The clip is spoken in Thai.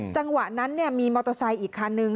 จังหวะนั้นมีมอเตอร์ไซค์อีกคันนึง